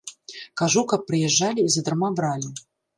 Кажу, каб прыязджалі і задарма бралі.